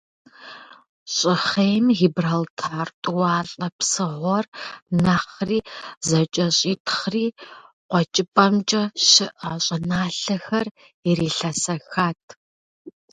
ЩӀыхъейм Гибралтар тӀуалэ псыгъуэр нэхъри зэкӀэщӀитхъри, КъуэкӀыпӀэмкӀэ щыӀэ щӀыналъэхэр ирилъэсэхат.